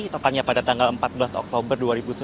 totalnya pada tanggal empat belas oktober dua ribu sembilan belas